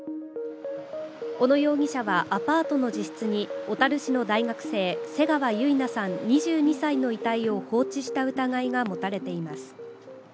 小野容疑者はアパートの自室に小樽市の大学生、瀬川結菜さん２２歳の遺体を放置した疑いが持たれています。